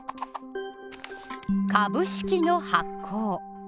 株式の発行。